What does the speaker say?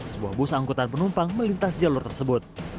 sebuah bus angkutan penumpang melintas jalur tersebut